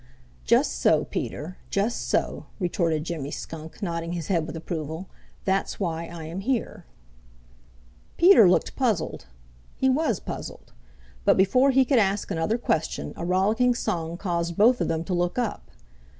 "Just so, Peter; just so," retorted Jimmy Skunk, nodding his head with approval. "That's why I am here." Peter looked puzzled. He was puzzled. But before he could ask another question a rollicking song caused both of them to look up.